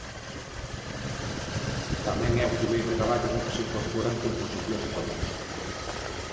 Tamén é o primeiro traballo no que se incorporan composicións propias.